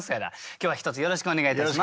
今日は一つよろしくお願いいたします。